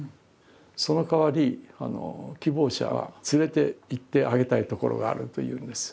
そのかわり希望者は連れて行ってあげたい所がある」と言うんです。